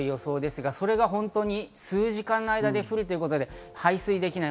それが数時間の間で降るということで、排水できない。